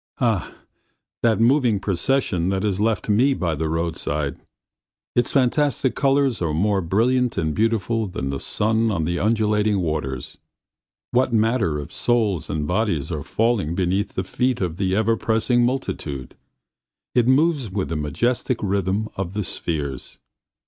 Ah! that moving procession that has left me by the road side! Its fantastic colors are more brilliant and beautiful than the sun on the undulating waters. What matter if souls and bodies are falling beneath the feet of the ever pressing multitude! It moves with the majestic rhythm of the spheres.